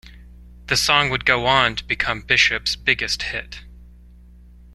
The song would go on to become Bishop's biggest hit.